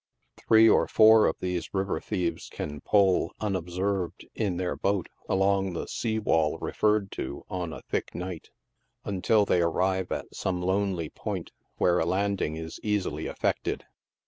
Three or four of these river thieves can pull, unob served, in their boat, along the sea wall referred to, on a thick night, until they arrive at some lonely point, where a landing is easily ef fected.